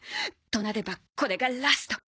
となればこれがラスト。